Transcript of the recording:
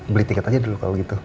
beli tiket aja dulu kalau gitu